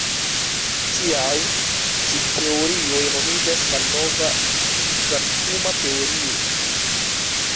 Tiaj ĉi teorioj nomiĝas malnova kvantuma teorio.